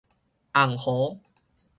紅河